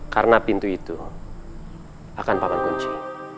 karena pintu itu akan paman kunci